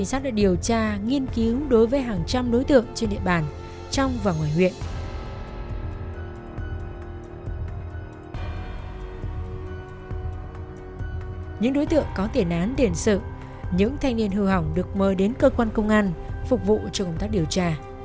những đối tượng có tiền án tiền sự những thanh niên hư hỏng được mời đến cơ quan công an phục vụ cho công tác điều tra